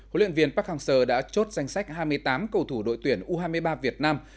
huấn luyện viên park hang seo đã chốt danh sách hai mươi tám cầu thủ đội tuyển u hai mươi ba việt nam